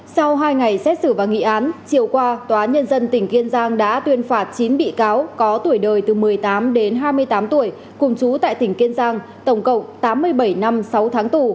sau hai ngày xét xử và nghị án chiều qua tòa nhân dân tỉnh kiên giang đã tuyên phạt chín bị cáo có tuổi đời từ một mươi tám đến hai mươi tám tuổi cùng chú tại tỉnh kiên giang tổng cộng tám mươi bảy năm sáu tháng tù